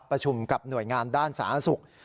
ประชุมกับหน่วยงานด้านสถานศึกษ์